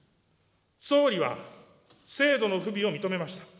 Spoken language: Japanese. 総理は、制度の不備を認めました。